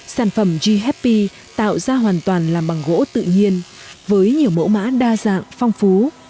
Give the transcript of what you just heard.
sản phẩm ghp tạo ra hoàn toàn làm bằng gỗ tự nhiên với nhiều mẫu mã đa dạng phong phú